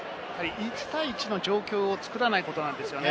１対１の状況を作らないことなんですね。